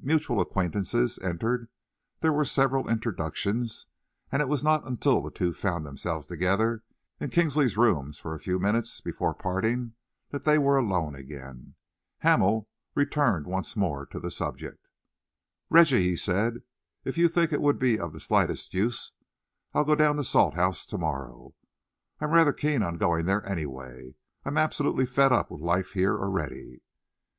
Mutual acquaintances entered, there were several introductions, and it was not until the two found themselves together in Kinsley's rooms for a few minutes before parting that they were alone again. Hamel returned then once more to the subject. "Reggie," he said, "if you think it would be of the slightest use, I'll go down to Salthouse to morrow. I am rather keen on going there, anyway. I am absolutely fed up with life here already."